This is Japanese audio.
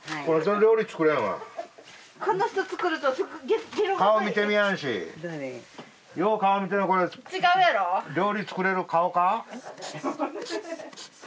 料理作れる顔か？